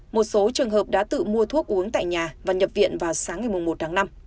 một số trường hợp đã tự mua thuốc uống tại nhà và nhập viện vào sáng ngày một tháng năm